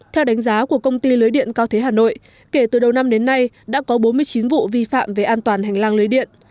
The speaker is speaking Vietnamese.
theo đánh giá của công ty lưới điện cao thế hà nội kể từ đầu năm đến nay đã có bốn mươi chín vụ vi phạm về an toàn hành lang lưới điện